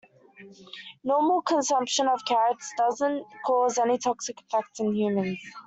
Normal consumption of carrots doesn't cause any toxic effect in humans.